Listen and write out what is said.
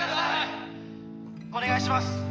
「お願いします！」